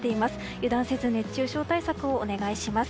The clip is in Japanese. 油断せず熱中症対策をお願いします。